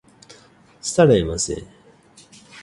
ستړی مشې